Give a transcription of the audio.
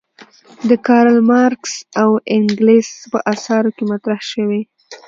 د کارل مارکس او انګلز په اثارو کې مطرح شوې.